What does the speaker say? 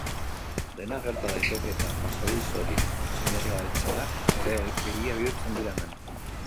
Dena gerta daiteke eta pasadiozorik sinesgaitzenak ere egia bihurtzen dira hemen.